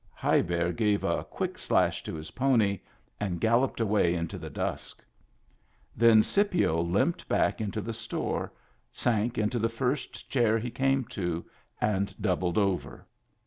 High Bear gave a quick slash to his pony, and galloped away into the dusk. Then Scipio limped back into the store, sank into the first chair he came to, and doubled over.